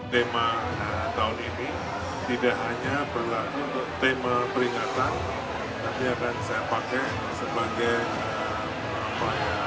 tema tahun ini tidak hanya berlaku untuk tema peringatan tapi akan saya pakai sebagai apa ya